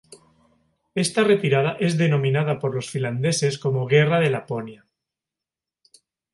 Esta retirada es denominada por los finlandeses como Guerra de Laponia.